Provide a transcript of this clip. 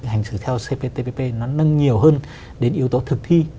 hành xử theo cptpp nó nâng nhiều hơn đến yếu tố thực thi